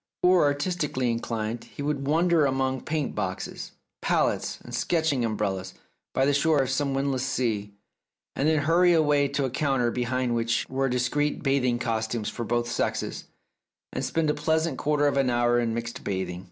Or, artistically inclined, he would wander among paint boxes, palettes, and sketching umbrellas by the shore of some windless 283 The Tragedy of Oliver Bowman sea, and then hurry away to a counter behind which were discreet bathing costumes for both sexes, and spend a pleasant quarter of an hour in mixed bath ing.